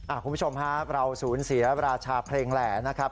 อาจคุณผู้ชมฮะเราศูนย์เสียราชาเพลงแหล่นะครับ